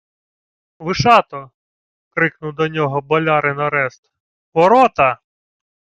— Вишато! — крикнув до нього болярин Орест. — Ворота-а!..